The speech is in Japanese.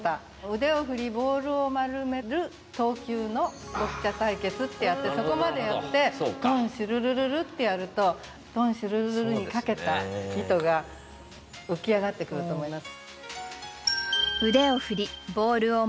「腕を振りボールを丸める投球のボッチャ対決」ってやってそこまでやって「トンシュルルルル」ってやると「トンシュルルルル」にかけた意図が浮き上がってくると思います。